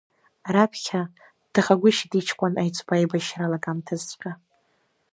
Раԥхьа дҭахагәышьеит иҷкәын аиҵбы аибашьра алагамҭазҵәҟьа!